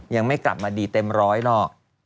ยังไม่กลับมาดีเต็มร้อยหรอก